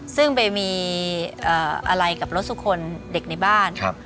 ซึ่งไปมีอะไรกับรถสุคลเด็กในบ้าน